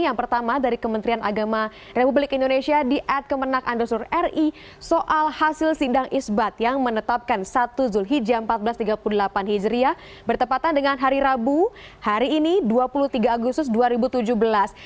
yang pertama dari kementerian agama republik indonesia di at kemenang ri soal hasil sindang isbat yang menetapkan satu zulhijjah seribu empat ratus tiga puluh delapan hijriah bertepatan dengan hari rabu hari ini dua puluh tiga agustus dua ribu tujuh belas